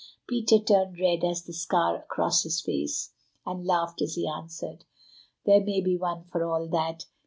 Peter turned red as the scar across his face, and laughed as he answered: "There may be one for all that.